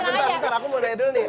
bentar bentar aku mau nanya dulu nih